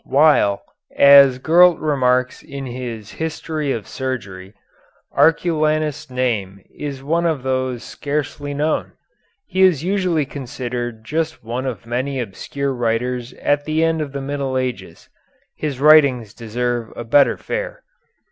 While, as Gurlt remarks in his "History of Surgery," Arculanus' name is one of those scarcely known he is usually considered just one of many obscure writers of the end of the Middle Ages his writings deserve a better fate.